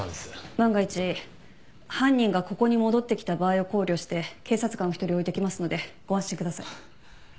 万が一犯人がここに戻ってきた場合を考慮して警察官を一人置いてきますのでご安心ください。